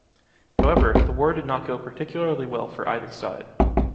However, the war did not go particularly well for either side.